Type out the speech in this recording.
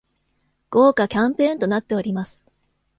豪華キャンペーンとなっております